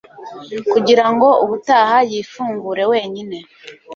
Kugirango ubutaha yifungure wenyine